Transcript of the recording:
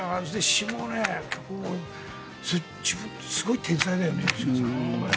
詞も曲もすごい天才だよね、吉永さん。